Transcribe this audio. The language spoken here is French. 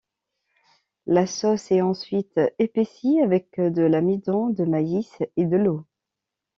La sauce est ensuite épaissie avec de l'amidon de maïs et de l'eau.